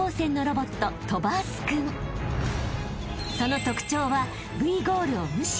［その特徴はＶゴールを無視］